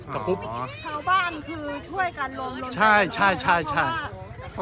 ชาวบ้านคือช่วยกันลงล้น